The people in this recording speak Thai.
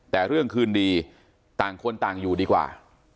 แต่เรื่องคืนดีต่างคนต่างอยู่ดีกว่า